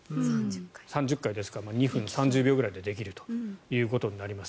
３０回ですから２分３０秒ぐらいでできるということになります。